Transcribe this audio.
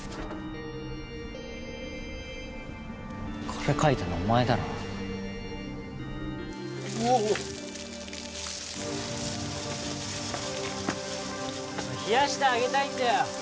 これ書いたのお前だろ冷やしてあげたいんだよ